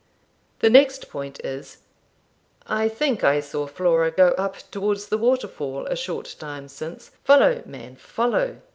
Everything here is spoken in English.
The next point is I think I saw Flora go up towards the waterfall a short time since; follow, man, follow!